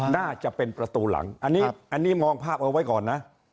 น่าจะเป็นประตูหลังอันนี้มองภาพเอาไว้ก่อนนะ